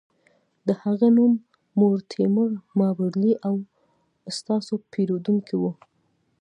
د هغه نوم مورټیمر مابرلي و او ستاسو پیرودونکی و